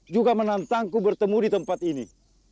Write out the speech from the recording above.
juga menantangku bertemu di tempat ini